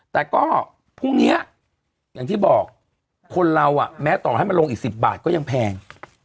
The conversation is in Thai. แต่ก็พรุ่งนี้อย่างที่บอกคนเราแม้ต่อให้มันลงอีก๑๐บาทก็ยังแพง